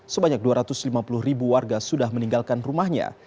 sebanyak dua ratus lima puluh ribu warga sudah meninggalkan rumahnya